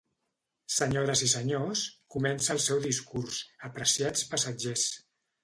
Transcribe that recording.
Senyores i senyors, comença el seu discurs, apreciats passatgers.